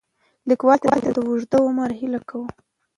لیکوال ته د اوږد عمر هیله کوو.